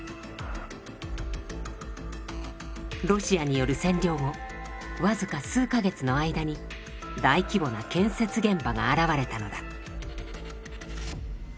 ロシアによる占領後僅か数か月の間に大規模な建設現場が現れたのだ。